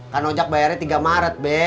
kan ojak bayarnya tiga maret